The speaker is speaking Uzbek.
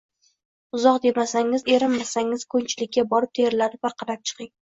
Uzoq demasangiz, erinmasangiz ko‘nchilikka borib terilarni bir qarab chiqing